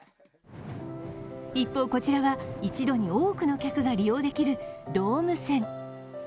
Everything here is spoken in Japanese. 一方こちらは一度に多くの客が利用できるドーム船。